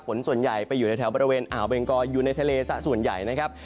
ฝนส่วนใหญ่ไปอยู่ในแถวบริเวณอ่าวเบงกออยู่ในทะเลสะส่วนใหญ่นะครับ